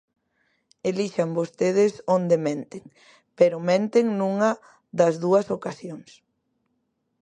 Elixan vostedes onde menten, pero menten nunha das dúas ocasións.